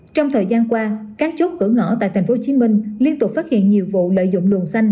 trong thời gian qua các chốt cửa ngõ tại tp hcm liên tục phát hiện nhiều vụ lợi dụng luồng xanh